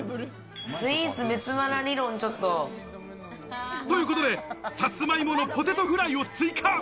スイーツ別腹理論、ちょっと。ということで、サツマ芋のポテトフライを追加。